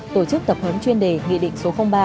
tổ chức tập huấn chuyên đề nghị định số ba